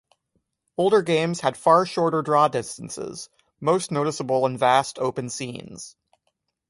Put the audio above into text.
Older games had far shorter draw distances, most noticeable in vast, open scenes.